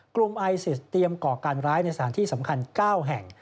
กลุ่มไอซิสเตรียมก่อการร้ายในสถานที่สำคัญ๙แห่ง